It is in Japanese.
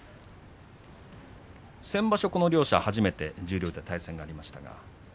先場所、この両者十両で初めて対戦がありました。